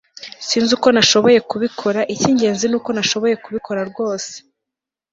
Sinzi uko nashoboye kubikora Icyingenzi nuko nashoboye kubikora rwose